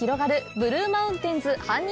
ブルーマウンテンズ半日